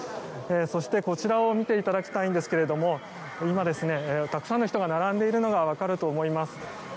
そして、こちらを見ていただきたいんですが今、たくさんの人が並んでいるのがわかると思います。